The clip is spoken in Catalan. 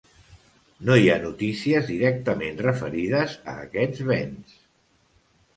No hi ha notícies directament referides a aquests béns.